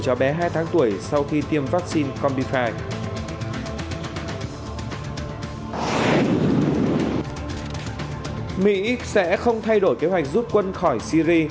chó bé hai tháng tuổi sau khi tiêm vaccine combi năm mỹ sẽ không thay đổi kế hoạch rút quân khỏi syri